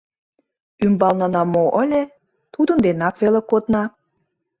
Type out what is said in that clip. Ӱмбалнына мо ыле, тудын денак веле кодна.